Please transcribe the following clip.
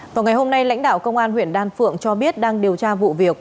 vào ngày hôm nay lãnh đạo công an huyện đan phượng cho biết đang điều tra vụ việc